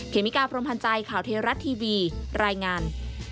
เมกาพรมพันธ์ใจข่าวเทราะทีวีรายงาน